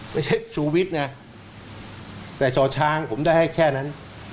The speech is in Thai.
ไม่ใช่ชูวิทย์นะแต่ช่อช้างผมได้ให้แค่นั้น